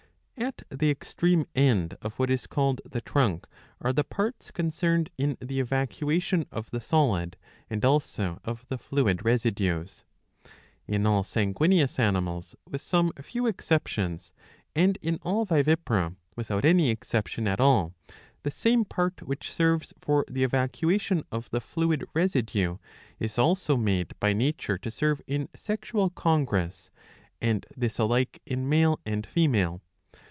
At the extreme end pf what is called the trunk are the parts concerned in the evacuation of the solid and also of the fluid residues. In all sanguineous animals with some few exceptions,^^ and in all vivipara without any exception at all, the same part which serves for the evacuation of the fluid residue is also made by nature to serve in sexual congress, and this alike in male and female.